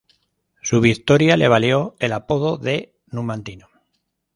Su victoria le valió el apodo de "Numantino".